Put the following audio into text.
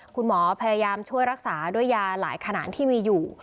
คุณหมอพยายามช่วยรักษาด้วยยาหลายขนาดที่มีอยู่